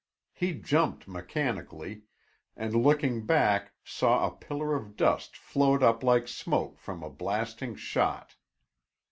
He jumped mechanically, and looking back, saw a pillar of dust float up like smoke from a blasting shot.